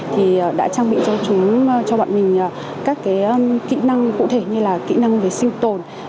thì đã trang bị cho chúng cho bọn mình các cái kỹ năng cụ thể như là kỹ năng về siêu tồn